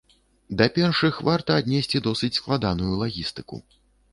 Да першых варта аднесці досыць складаную лагістыку.